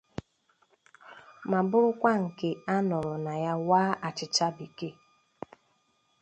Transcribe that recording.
ma bụrụkwa nke a nọrọ na ya waa achịcha bekee